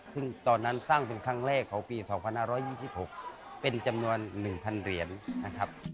ซึ่งตอนนั้นสร้างเป็นครั้งแรกของปี๒๕๒๖เป็นจำนวน๑๐๐เหรียญนะครับ